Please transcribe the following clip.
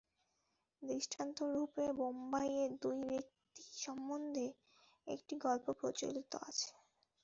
দৃষ্টান্তরূপে বোম্বাই-এর দুই ব্যক্তি সম্বন্ধে একটি গল্প প্রচলিত আছে।